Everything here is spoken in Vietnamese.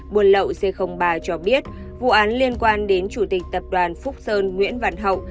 buôn lậu c ba cho biết vụ án liên quan đến chủ tịch tập đoàn phúc sơn nguyễn văn hậu